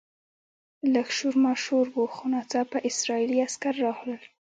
لږ شور ماشور و خو ناڅاپه اسرایلي عسکر راغلل.